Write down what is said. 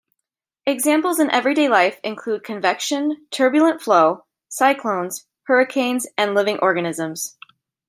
Examples in everyday life include convection, turbulent flow, cyclones, hurricanes and living organisms.